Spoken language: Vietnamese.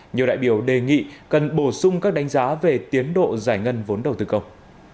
nhiều đại biểu đề nghị cần bổ sung các đánh giá về tiến độ giải ngân vốn đầu tư công